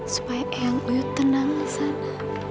supaya uyut tenang disana